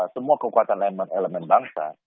semua kekuatan elemen elemen bangsa